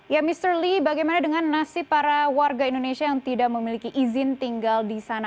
ya mr lee bagaimana dengan nasib para warga indonesia yang tidak memiliki izin tinggal di sana